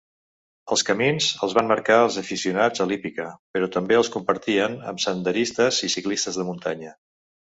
Els camins els van marcar els aficionats a l'hípica, però també els compartien amb senderistes i ciclistes de muntanya.